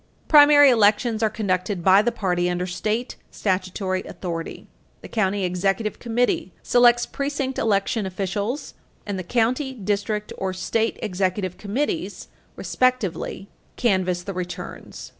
Primary elections are conducted by the party under state statutory authority. The county executive committee selects precinct election officials and the county, district or state executive committees, respectively, canvass the returns.